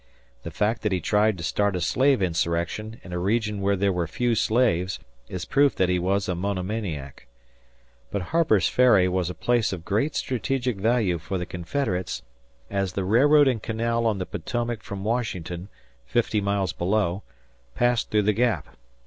The fact that he tried to start a slave insurrection in a region where there were few slaves is proof that he was a monomaniac. But Harper's Ferry was a place of great strategic value for the Confederates, as the railroad and canal on the Potomac from Washington, fifty miles below, passed through the gap.